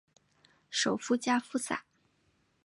首府加夫萨。